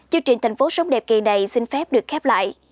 chuyện thành phố sống đẹp kỳ này xin phép được khép lại